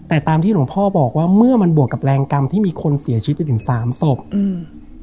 แต่ตามที่หลวงพ่อบอกว่าเมื่อมันบวกกับแรงกรรมที่มีคนเสียชีวิตไปถึงสามศพอืม